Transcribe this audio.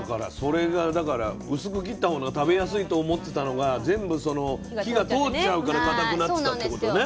だから薄く切ったほうが食べやすいと思ってたのが全部その火が通っちゃうからかたくなっちゃうってことね。